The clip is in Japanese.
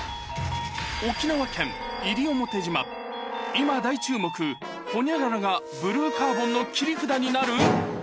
今大注目ホニャララがブルーカーボンの切り札になる？